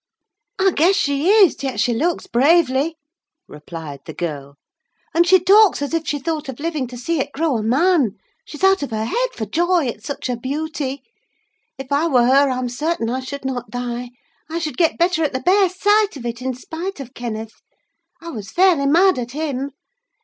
"I guess she is; yet she looks bravely," replied the girl, "and she talks as if she thought of living to see it grow a man. She's out of her head for joy, it's such a beauty! If I were her I'm certain I should not die: I should get better at the bare sight of it, in spite of Kenneth. I was fairly mad at him.